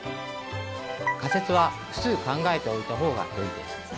仮説は複数考えておいたほうがよいです。